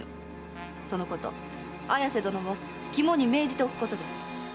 そのこと綾瀬殿も肝に銘じておくことです。